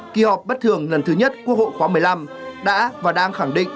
kỳ họp bất thường lần thứ nhất quốc hội khóa một mươi năm đã và đang khẳng định